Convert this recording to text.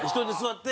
って。